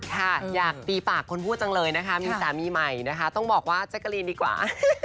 ค่ะอยากตีปากคนพูดจังเลยนะคะมีสามีใหม่นะคะต้องบอกว่าแจ๊กกะลีนดีกว่า